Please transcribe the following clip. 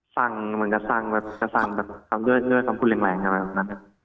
สั่งเหมือนกับสั่งแบบสั่งด้วยคำพูดแหลงอะไรแบบนั้น